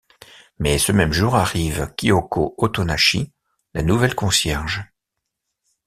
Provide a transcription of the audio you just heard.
Mais ce même jour arrive Kyoko Otonashi la nouvelle concierge.